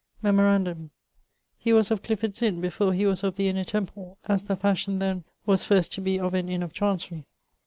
Memorandum: he was of Clifford's Inne before he was of the Inner Temple, as the fashion then was first to be of an Inne of Chancery.